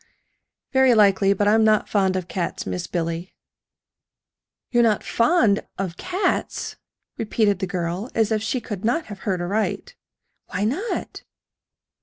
"Very likely; but I'm not fond of cats, Miss Billy." "You're not fond of cats!" repeated the girl, as if she could not have heard aright. "Why not?"